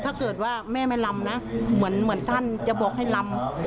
ถ้าเกิดว่าแม่ไม่ลำนะเหมือนท่านจะบอกให้ลำ